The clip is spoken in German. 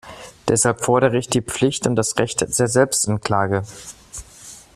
Deshalb fordere ich die Pflicht und das Recht der Selbstanklage.